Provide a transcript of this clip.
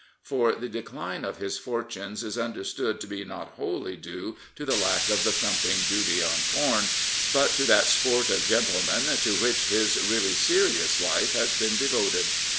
For the decline of his fortunes is understood to be not wholly due to the lack of the thumping duty on corn, but to that sport of gentlemen to which his really serious life has been devoted.